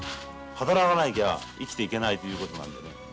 働かなきゃ生きていけないということなんでね。